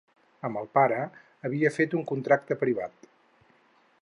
Amb el pare havia fet un contracte privat.